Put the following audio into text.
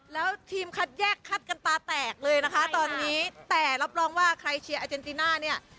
แล้วทีมคัดแยกคัดกันตาแตกเลยนะคะตอนนี้แต่รับรองว่าใครเชียร์อาเจนติน่าเนี่ย